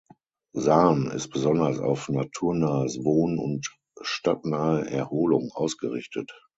Saarn ist besonders auf naturnahes Wohnen und stadtnahe Erholung ausgerichtet.